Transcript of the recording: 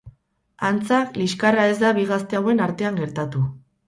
Antza liskarra ez da bi gazte hauen artean gertatu.